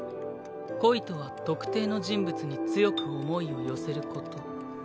恋とは特定の人物に強く思いを寄せること。